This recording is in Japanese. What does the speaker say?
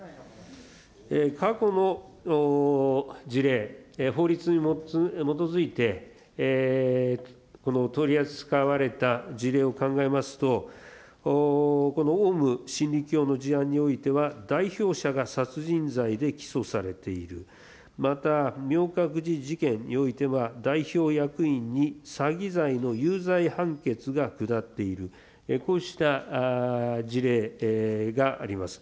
過去の事例、法律に基づいて取り扱われた事例を考えますと、このオウム真理教の事案においては、代表者が殺人罪で起訴されている、また、明覚寺事件においては代表役員に詐欺罪の有罪判決が下っている、こうした事例があります。